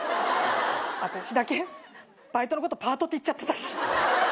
あたしだけバイトのことパートって言っちゃってたし。